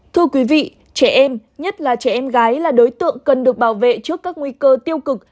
thưa quý vị trẻ em nhất là trẻ em gái là đối tượng cần được bảo vệ trước các nguy cơ tiêu cực